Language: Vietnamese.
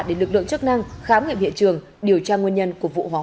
để lực lượng chức năng khám nghiệm hiện trường điều tra nguyên nhân của vụ hỏa hoạn